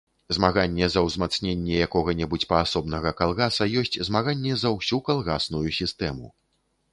Змаганне за ўзмацненне якога-небудзь паасобнага калгаса ёсць змаганне за ўсю калгасную сістэму.